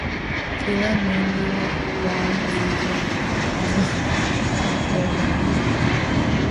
Kila mundu wamzighana omoni.